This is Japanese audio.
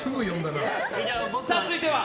続いては？